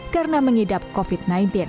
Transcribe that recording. karena mengidap covid sembilan belas